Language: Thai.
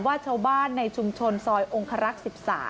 ว่าชาวบ้านในชุมชนซอยองคารักษ์๑๓